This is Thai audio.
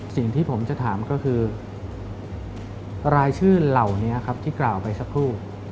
สิ่งที่ผมจะถามก็คือรายชื่อเหล่านี้ครับที่กล่าวไปสักครู่